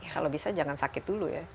kalau bisa jangan sakit dulu ya